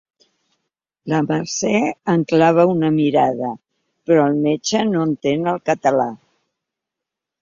La Mercè em clava una mirada, però el metge no entén el català.